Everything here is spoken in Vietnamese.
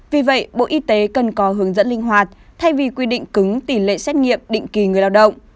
vì vậy bộ y tế cần có hướng dẫn linh hoạt thay vì quy định cứng tỷ lệ xét nghiệm định kỳ người lao động